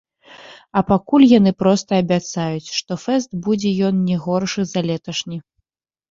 А пакуль яны проста абяцаюць, што фэст будзе ён не горшы за леташні.